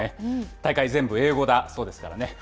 大会、全部英語だそうですからね。